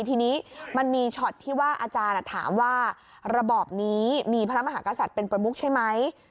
ทีนี้มันมีช็อตที่ว่าอาจารย์ถามว่าระบอบนี้มีพระมหากษัตริย์เป็นประมุกใช่ไหม